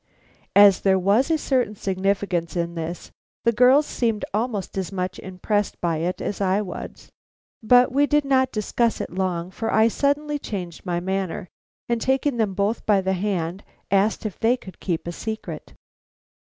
As there was a certain significance in this, the girls seemed almost as much impressed by it as I was, but we did not discuss it long, for I suddenly changed my manner, and taking them both by the hand, asked if they could keep a secret.